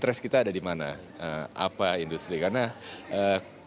karena kita harus berpikir secara langsung kita harus berpikir secara langsung